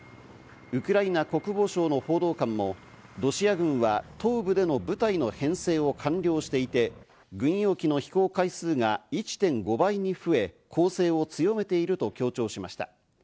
ウクライナ国防省の報道官もロシア軍は東部での部隊の編成を完了していて、軍用機の飛行回数が１．５倍に増え、攻勢を強めていると強調しました。